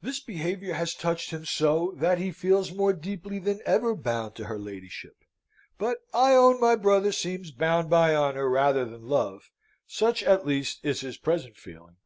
This behaviour has touched him so, that he feels more deeply than ever bound to her ladyship. But I own my brother seems bound by honour rather than love such at least is his present feeling."